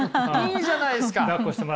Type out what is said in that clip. いいじゃないですか！